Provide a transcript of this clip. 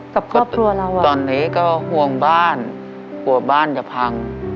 กับครอบครัวเราอ่ะตอนนี้ก็ห่วงบ้านกลัวบ้านจะพัง